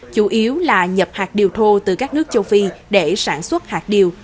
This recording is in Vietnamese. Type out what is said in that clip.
chủ yếu là nhập hạt điều thô từ các nước châu phi để sản xuất hạt điều